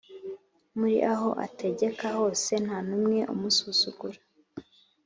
Muri aho ategeka hose ntanumwe umusuzugura